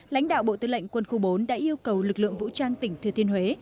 lãnh đạo bộ tư lệnh quân khu bốn đã yêu cầu lực lượng vũ trang tỉnh thừa thiên huế